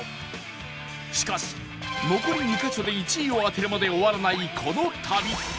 しかし残り２カ所で１位を当てるまで終わらないこの旅